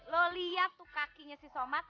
lo lihat tuh kakinya si somad